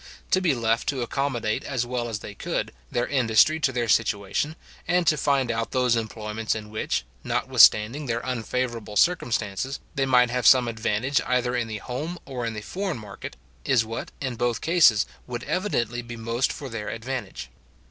To be left to accommodate, as well as they could, their industry to their situation, and to find out those employments in which, notwithstanding their unfavourable circumstances, they might have some advantage either in the home or in the foreign market, is what, in both cases, would evidently be most for their advantage.